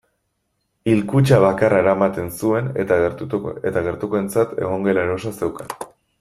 Hilkutxa bakarra eramaten zuen eta gertukoentzat egongela erosoa zeukan.